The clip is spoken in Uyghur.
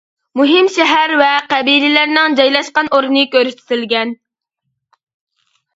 مۇھىم شەھەر ۋە قەبىلىلەرنىڭ جايلاشقان ئورنى كۆرسىتىلگەن.